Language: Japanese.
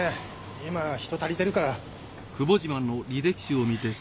今人足りてるから。